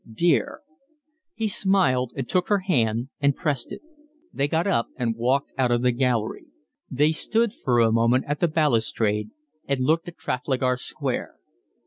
"Dear!" He smiled and took her hand and pressed it. They got up and walked out of the gallery. They stood for a moment at the balustrade and looked at Trafalgar Square.